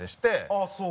ああそう？